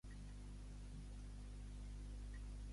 Hi morí i hi fou sebollit juntament amb el seu deixeble Ananies.